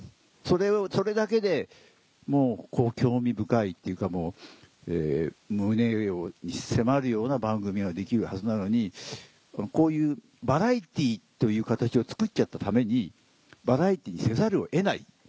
それだけで興味深いっていうか胸に迫るような番組ができるはずなのにこういうバラエティーという形を作っちゃったためにバラエティーにせざるを得ない。